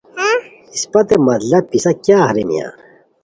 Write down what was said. اسپتے!!! مطلب پِسہ کیاغ ریمیان